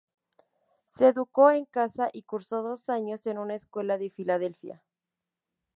Se educó en casa y cursó dos años en una escuela de Filadelfia.